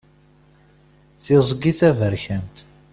Tiẓgi taberkant.